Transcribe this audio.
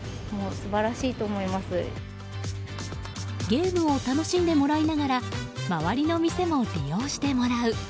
ゲームを楽しんでもらいながら周りの店も利用してもらう。